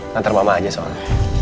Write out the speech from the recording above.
nantar mama aja soalnya